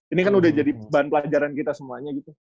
ini kan udah jadi bahan pelajaran kita semuanya gitu